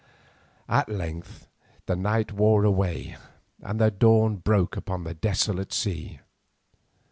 At length the night wore away, and the dawn broke upon the desolate sea.